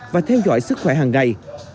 và theo dõi sức khỏe hàng ngày